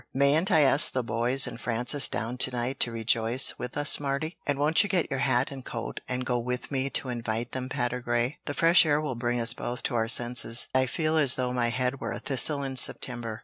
Mayn't I ask the boys and Frances down to night to rejoice with us, Mardy? And won't you get your hat and coat and go with me to invite them, Patergrey? The fresh air will bring us both to our senses I feel as though my head were a thistle in September."